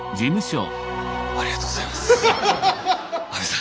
ありがとうございます阿部さん。